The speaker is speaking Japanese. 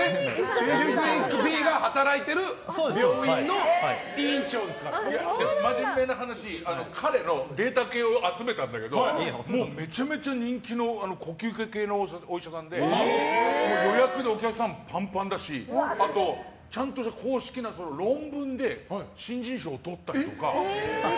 しゅんしゅんクリニックＰが働いている病院の真面目な話彼のデータ系を集めたんだけどめちゃめちゃ人気の呼吸器系のお医者さんで予約でお客さんパンパンだしちゃんと公式な論文で新人賞をとったりとか。